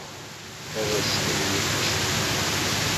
Ad as-ten-yečč.